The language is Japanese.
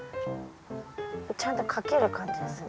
ちゃんとかける感じですね。